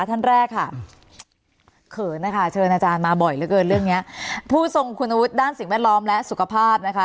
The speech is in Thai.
ท่านแรกค่ะเขินนะคะก็เจอกับอาจารย์มาบ่อยเลยเรื่องพูดทรงคุณนวุฒิด้านสิ่งแวดล้อมและสุขภาพนะคะ